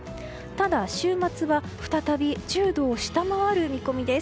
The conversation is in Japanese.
ただ、週末は再び１０度を下回る見込みです。